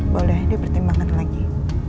boleh dipertimbangkan lagi